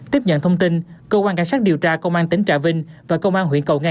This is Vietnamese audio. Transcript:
tiếp nhận thông tin cơ quan cảnh sát điều tra công an tỉnh trà vinh và công an huyện cầu ngang